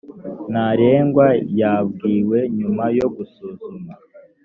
ntarengwa yabwiwe nyuma yo gusuzuma